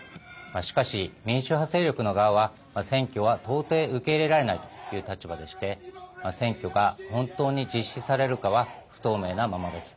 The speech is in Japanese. しかし、民主派勢力の側は選挙は到底受け入れられないという立場でして選挙が本当に実施されるかは不透明なままです。